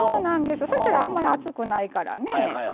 そしたらあまり熱くないからね。